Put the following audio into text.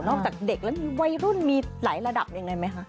จากเด็กแล้วมีวัยรุ่นมีหลายระดับยังไงไหมคะ